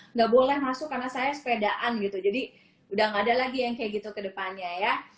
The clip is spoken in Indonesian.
nggak boleh masuk karena saya sepedaan gitu jadi udah gak ada lagi yang kayak gitu ke depannya ya